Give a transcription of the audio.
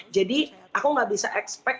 jadi aku nggak bisa expect